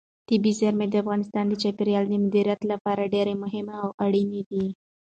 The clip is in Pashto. طبیعي زیرمې د افغانستان د چاپیریال د مدیریت لپاره ډېر مهم او اړین دي.